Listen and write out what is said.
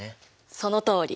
そのとおり。